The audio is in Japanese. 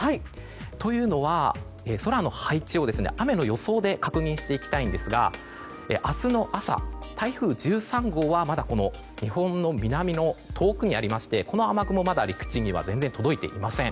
というのは空の配置を雨の予想で確認していきたいんですが明日の朝、台風１３号はまだ日本の南の遠くにありましてこの雨雲はまだ陸地には全然届いていません。